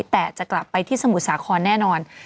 แต่จะกลับไปที่สมุทรสาครแน่นอน